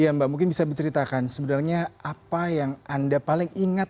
iya mbak mungkin bisa diceritakan sebenarnya apa yang anda paling ingat